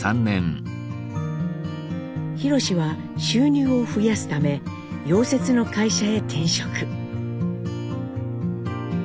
弘史は収入を増やすため溶接の会社へ転職。